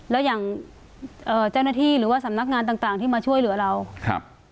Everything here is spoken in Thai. แล้วอย่างเจ้าหน้าที่หรือว่าสำนักงานต่างที่มาช่วยเหลือเรา